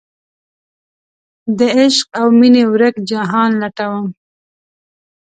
دعشق اومینې ورک جهان لټوم